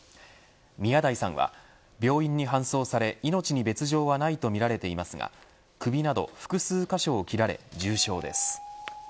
宮台さんは病院に搬送され命に別条はないとみられていますが首など複数箇所を切られ重傷です。